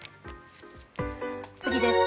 次です。